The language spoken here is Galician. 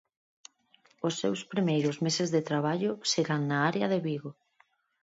Os seus primeiros meses de traballo serán na área de Vigo.